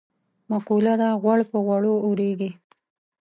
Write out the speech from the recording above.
مقوله ده: غوړ په غوړو اورېږي.